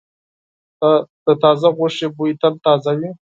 د تازه غوښې بوی تل تازه وي.